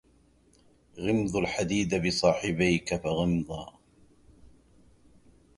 غمض الحديد بصاحبيك فغمضا